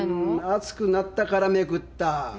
暑くなったからめくった。